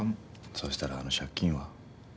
そしたらあの借金は？